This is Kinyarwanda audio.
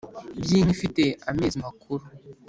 by’inka ifite amezi makuru